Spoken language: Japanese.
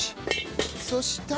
そしたら。